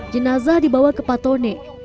jenazah dibawa ke patone